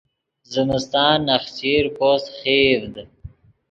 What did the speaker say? زمستان نخچیر پوست خیڤد